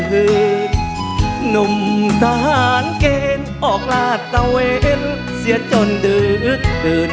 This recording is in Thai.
คือหนุ่มทหารเกณฑ์ออกลาดตะเวนเสียจนดืดดื่น